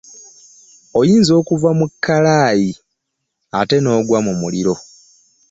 Oyinza okuva mu kkalaayi ate n'ogwa mu muliro.